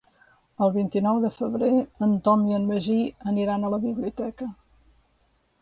El vint-i-nou de febrer en Tom i en Magí aniran a la biblioteca.